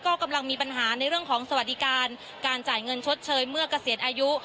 ก็กำลังมีปัญหาในเรื่องของสวัสดิการการจ่ายเงินชดเชยเมื่อเกษียณอายุ